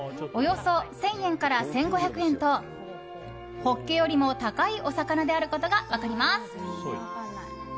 およそ１０００円から１５００円とホッケよりも高いお魚であることが分かります。